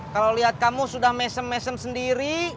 kalau lihat kamu sudah mesem mesem sendiri